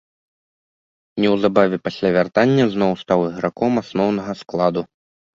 Неўзабаве пасля вяртання зноў стаў іграком асноўнага складу.